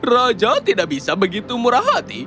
raja tidak bisa begitu murah hati